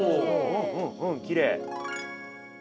うんうんうんきれい。